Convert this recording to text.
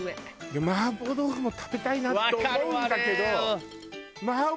麻婆豆腐も食べたいなって思うんだけど。